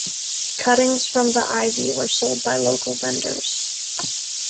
Cuttings from the ivy were sold by local vendors.